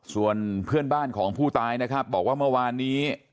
ส่วนเพื่อนบ้านของผู้ตายนะครับบอกว่าเมื่อวานนี้